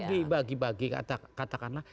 lalu dibagi bagi katakanlah